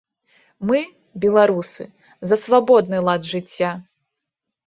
Мы, беларусы, за свабодны лад жыцця.